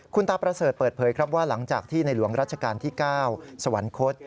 คุณตาประเสริฐเปิดเผยครับว่าหลังจากที่ในหลวงรัชกาลที่๙สวรรคต